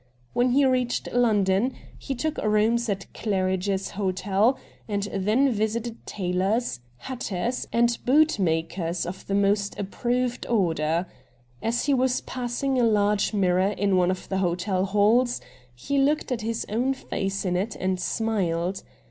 When he reached London he took rooms at Claridge's Hotel, and then visited tailors, hatters, and bootmakers of the most approved order. As he was passing a large mirror in one of the hotel halls he looked at his OAvn face in it and smiled.